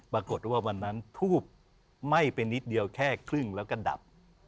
วันนั้นทูบไหม้ไปนิดเดียวแค่ครึ่งแล้วก็ดับ